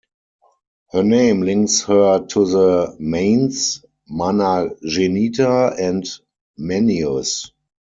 Her name links her to the Manes, Mana Genita, and Manius.